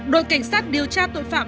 đội cảnh sát điều tra tội phạm